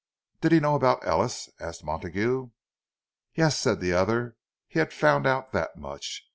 "Did he know about Ellis?" asked Montague. "Yes," said the other, "he had found out that much.